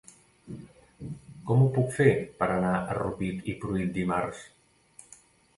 Com ho puc fer per anar a Rupit i Pruit dimarts?